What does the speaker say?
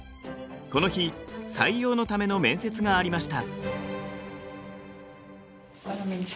この日採用のための面接がありました。